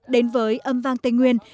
đến với những người phụ nữ ấy đê